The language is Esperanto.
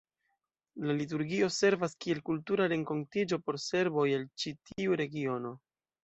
La liturgio servas kiel kultura renkontiĝo por serboj el ĉi tiu regiono.